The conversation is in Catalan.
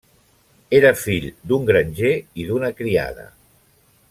Era fill d'un granger i d'una criada.